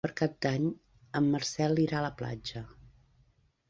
Per Cap d'Any en Marcel irà a la platja.